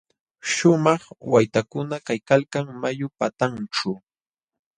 Śhumaq waytakuna kaykalkan mayu patanćhu.